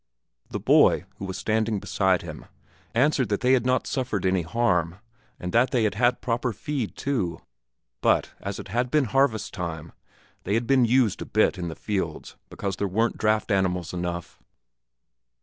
The boy, who was standing beside him, answered that they had not suffered any harm, and that they had had proper feed too, but, as it had been harvest time, they had been used a bit in the fields because there weren't draught animals enough.